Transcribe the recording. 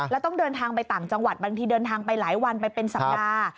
แล้วต้องเดินทางไปต่างจังหวัดบางทีเดินทางไปหลายวันไปเป็นสัปดาห์